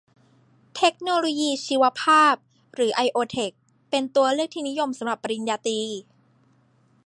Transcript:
เทคโนโลยีชีวภาพ หรือ ไอโอเทค เป็นตัวเลือกที่นิยมสำหรับปริญญาตรี